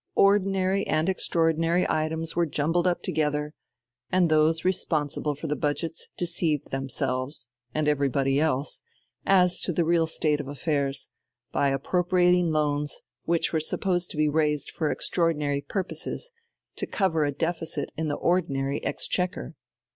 Ordinary and extraordinary items were jumbled up together, and those responsible for the budgets deceived themselves, and everybody else, as to the real state of affairs, by appropriating loans, which were supposed to be raised for extraordinary purposes, to cover a deficit in the ordinary exchequer....